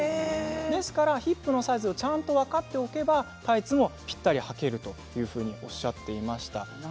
ですからヒップのサイズをちゃんと分かっておけばタイツもぴったりはけるとおっしゃっていました。